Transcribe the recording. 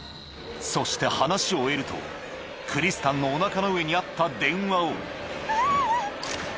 そして話を終えるとクリスタンのお腹の上にあった電話をキャ！